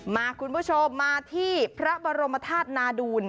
มาคุณผู้ชมมาที่พระบรมธาตุนาดูล